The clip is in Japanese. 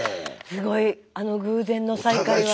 すごいあの偶然の再会は。